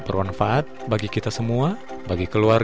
selanjutnya marilah kita mengikuti